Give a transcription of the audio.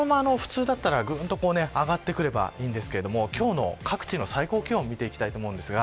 普通だったらこのままぐんと上がってくれればいいんですが今日の各地の最高気温。